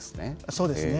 そうですね。